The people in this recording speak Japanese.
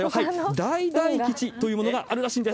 大大吉というものがあるらしいんです。